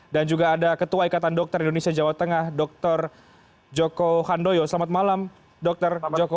dan juga ada ketua ikatan dokter indonesia jawa tengah dr joko handoyo selamat malam dr joko